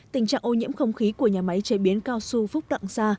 tình trạng ô nhiễm không khí của nhà máy chế biến cao su phúc đặng sa